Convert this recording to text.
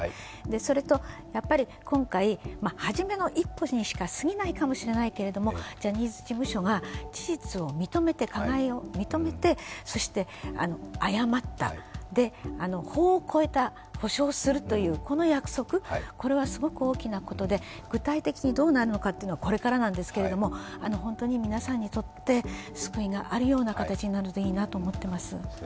それと、やっぱり今回、初めの一歩にしか過ぎないけどジャニーズ事務所が事実を認めて加害を認めてそして謝った、法を超えた補償をするというこの約束、これはすごく大きなことで、具体的にどうなるのかというのはこれからなんですけど、本当に皆さんにとって救いがあるような形になるといいなと思います。